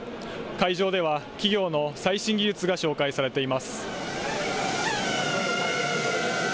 会場では、企業の最新技術が紹介されています。